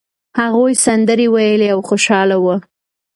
هغوی سندرې ویلې او خوشاله وو.